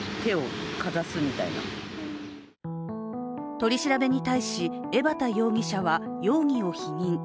取り調べに対し、江畑容疑者は容疑を否認。